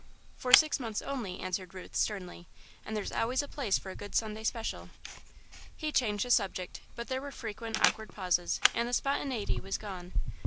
"For six months only," answered Ruth, sternly, "and there's always a place for a good Sunday special." He changed the subject, but there were frequent awkward pauses and the spontaniety was gone.